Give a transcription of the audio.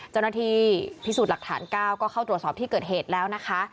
เจ้าหน้าที่พิสูจน์หลักฐาน๙ก็เข้าตรวจสอบที่เกิดเหตุแล้วนะคะ